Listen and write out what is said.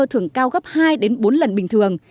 thường cao gấp hai bốn lần bình thường